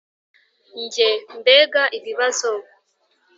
njye: mbega ibibazo